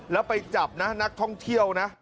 แล้วไปจับนะนักท่องเที่ยวนะ